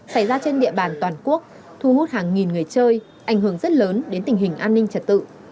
xảy ra trên địa bàn toàn quốc thu hút hàng nghìn người chơi ảnh hưởng rất lớn đến tình hình an ninh trật tự